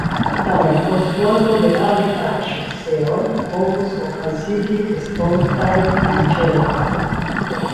Tamen konstruado de altaj ŝoseoj povus okazigi estontajn danĝeron.